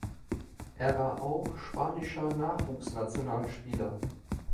Er war auch spanischer Nachwuchsnationalspieler.